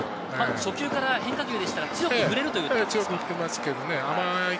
初球から変化球だったら、強く振れるということでしょうか？